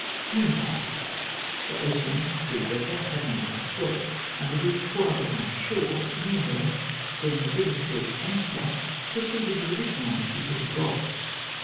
Noon passed. The Ocean^ three decker, had now got afloat, and the group of four others on shore near her, seeing the British fleet anchor, proceeded with ad ditional energy to heave off.